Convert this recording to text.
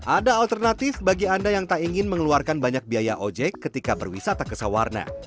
ada alternatif bagi anda yang tak ingin mengeluarkan banyak biaya ojek ketika berwisata ke sawarna